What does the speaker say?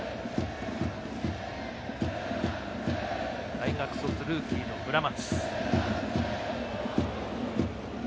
大学卒ルーキーの村松。